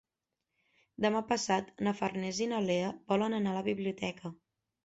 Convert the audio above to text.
Demà passat na Farners i na Lea volen anar a la biblioteca.